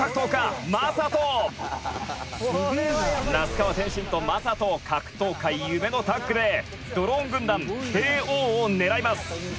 清水：「那須川天心と魔裟斗格闘界、夢のタッグでドローン軍団、ＫＯを狙います」